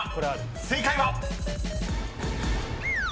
［正解は⁉］